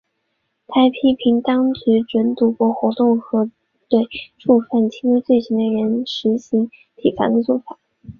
他还批评当局准许赌博活动和对触犯轻微罪行的人士施行体罚的作法。